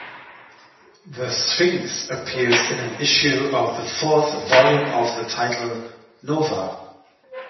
The Sphinx appears in an issue of the fourth volume of the title "Nova".